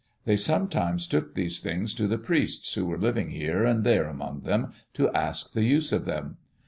They sometimes took these things to the priests who were living here and there among them, to ask the use of them.